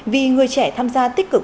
vì người trẻ tham gia tích cực